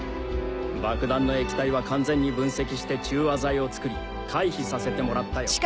爆弾の液体は完全に分析して中和剤を作り回避させてもらったよ。